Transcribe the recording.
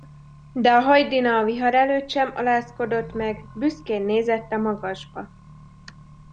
De a hajdina a vihar előtt sem alázkodott meg, büszkén nézett a magasba.